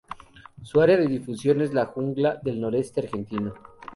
Su área de difusión es la jungla del noreste argentino.